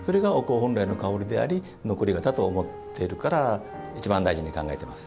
本来の香りであり残り香だと思っているから一番大事に思っています。